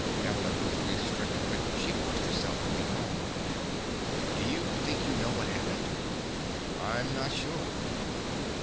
Evelyn was grief stricken, but she forced herself to be calm. "Do you think you know what happened?" "I'm not sure."